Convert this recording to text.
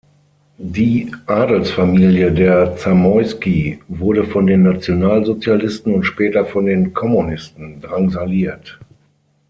Die Adelsfamilie der Zamoyski wurde von den Nationalsozialisten und später von den Kommunisten drangsaliert.